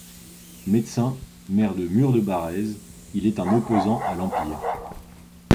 Médecin, maire de Mur-de-Barrez, il est un opposant à l'Empire.